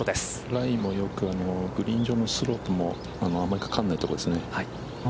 ラインもよく、グリーン上のスロープもあんまりかからないところですね。